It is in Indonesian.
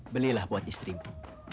belilah buat istrimu